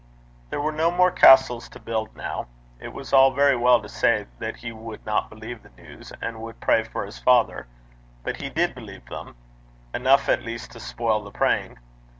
There were no more castles to build now. It was all very well to say that he would not believe the news and would pray for his father, but he did believe them enough at least to spoil the praying.